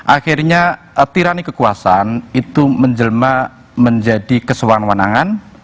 akhirnya tirani kekuasaan itu menjelma menjadi kesewan wanangan